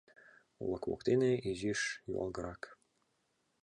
Олык воктене изиш юалгырак.